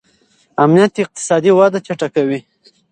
امنیت اقتصادي وده چټکوي.